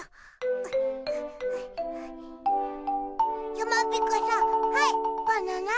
やまびこさんはいバナナ。